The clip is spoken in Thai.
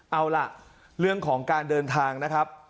เอาล่ะเรื่องของการเดินทางนะครับ